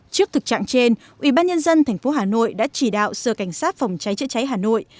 trước thực trạng trên ubnd tp hà nội đã chỉ đạo sở cảnh sát phòng cháy chữa cháy hà nội